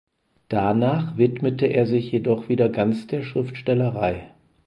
Danach widmete er sich jedoch wieder ganz der Schriftstellerei.